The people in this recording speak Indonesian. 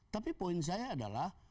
tapi poin saya adalah